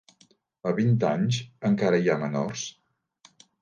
A vint anys encare hi ha menors?